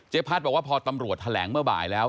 พัฒน์บอกว่าพอตำรวจแถลงเมื่อบ่ายแล้ว